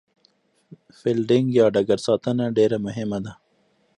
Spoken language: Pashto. فیلډینګ یا ډګر ساتنه ډېره مهمه ده.